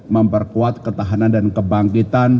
memperkuat ketahanan dan kebangkitan